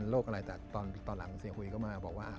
ตายจริงหรือเปล่า